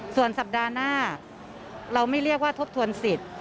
ส่วนสัปดาห์หน้าเราไม่เรียกว่าทบทวนสิทธิ์